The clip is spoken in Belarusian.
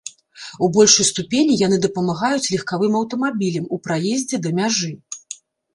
У большай ступені яны дапамагаюць легкавым аўтамабілям у праездзе да мяжы.